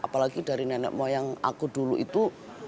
apalagi dari nenek moyang aku dulu itu